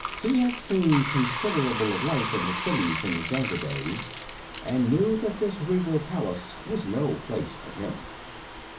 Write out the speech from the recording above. He had seen considerable of life in the cities in his younger days, and knew that this regal palace was no place for him.